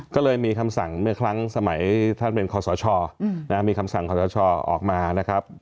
ก็เลยมีคำสั่งเมื่อครั้งสมัยท่านเป็นคอสชมีคำสั่งขอสชออกมานะครับ